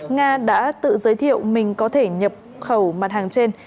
nga đã tự giới thiệu mình có thể nhập khẩu mặt hàng trên